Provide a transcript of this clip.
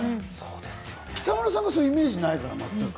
北村さん、そういうイメージないから、全く。